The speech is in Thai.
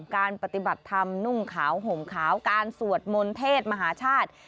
การปฏิบัติธรรมนุ่งขาวห่มขาวการสวดมนต์เทศมหาชาติ